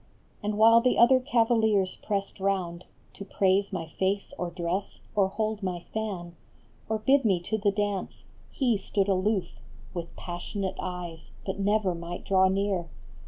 And while the other cavaliers pressed round To praise my face or dress, or hold my fan, Or bid me to the dance, he stood aloof With passionate eyes, but never might draw near.